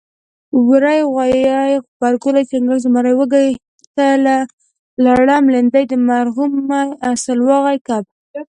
وری غوایي غبرګولی چنګاښ زمری وږی تله لړم لیندۍ مرغومی سلواغه کب